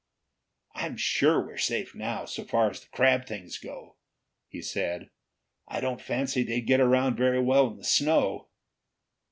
"I'm sure we're safe now, so far as the crab things go," he said. "I don't fancy they'd get around very well in the snow."